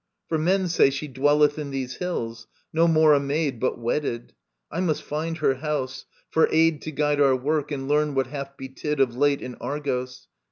For men say She dwelleth in these hills, no more a maid But wedded. I must find her house, for aid To guide our work, and learn what hath betid Of late in Argos.